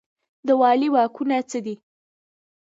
د والي واکونه څه دي؟